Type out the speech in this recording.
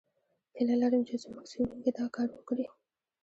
هیله لرم چې زموږ څېړونکي دا کار وکړي.